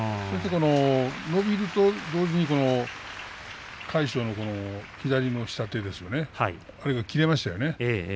伸びると同時に、魁勝の左の下手が切れましたね。